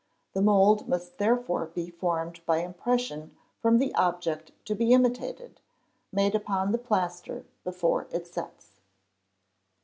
The mould must therefore be formed by impression from the object to be imitated, made upon the plaster before it sets.